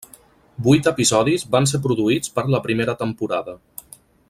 Vuit episodis van ser produïts per la primera temporada.